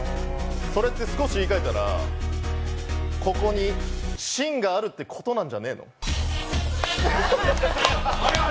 それって少し言い換えたらここに芯があるってことなんじゃねえの？